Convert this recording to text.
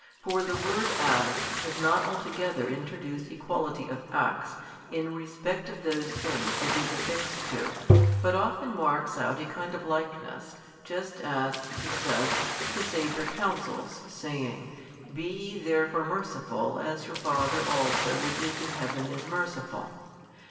For the word As does not altogether introduce equality of acts, in respect of those things it is affixed to, but often marks out a kind of likeness, just as (he says) the Saviour counsels, saying, Be ye therefore merciful as your Father also which is in Heaven is merciful.